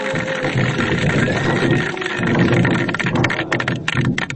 Nchi hiyo ilianza kupelekea mataifa mengine msaada